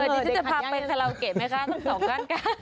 ถ้าจะพาไปสลัวเกะมั้ยคะทั้ง๒ขั้น